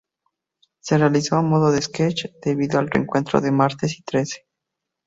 Se realizó a modo de "sketch" debido al reencuentro de "Martes y Trece".